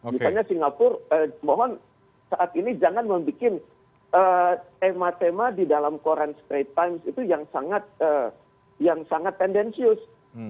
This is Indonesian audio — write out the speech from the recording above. misalnya singapura mohon saat ini jangan membuat tema tema di dalam koran straight time itu yang sangat tendensius